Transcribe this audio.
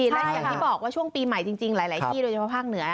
และอย่างที่บอกว่าช่วงปีใหม่จริงหลายที่โดยเฉพาะภาคเหนือ